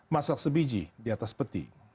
masak sebiji di atas peti